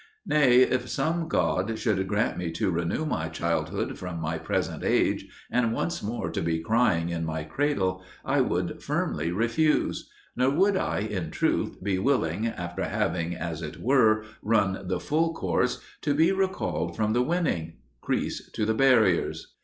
Nay, if some god should grant me to renew my childhood from my present age and once more to be crying in my cradle, I would firmly refuse; nor should I in truth be willing, after having, as it were, run the full course, to be recalled from the winning crease to the barriers.